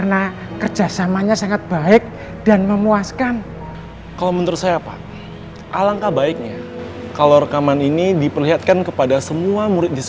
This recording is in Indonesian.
nanti pak tuhan lihat sendiri